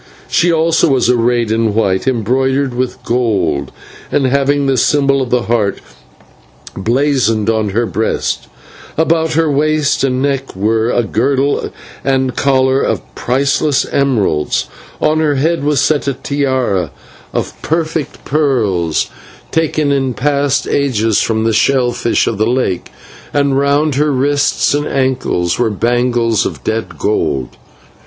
She also was arrayed in white, embroidered with gold, and having the symbol of the Heart blazoned on her breast; about her waist and neck were a girdle and collar of priceless emeralds; on her head was set a tiara of perfect pearls taken in past ages from the shell fish of the lake, and round her wrists and ankles were bangles of dead gold.